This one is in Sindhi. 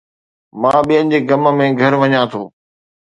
مان ٻين جي غم ۾ گهر وڃان ٿو